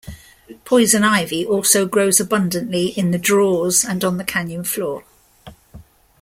Poison ivy also grows abundantly in the draws and on the canyon floor.